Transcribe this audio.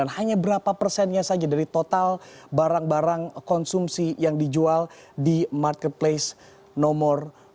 hanya berapa persennya saja dari total barang barang konsumsi yang dijual di marketplace nomor dua